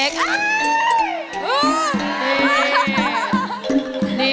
ก็ได้